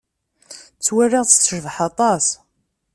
Ttwaliɣ-tt tecbeḥ aṭas.